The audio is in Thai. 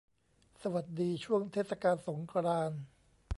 สวัสดีช่วงเทศกาลสงกรานต์